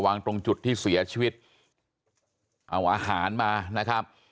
ตรงจุดที่เสียชีวิตเอาอาหารมานะครับ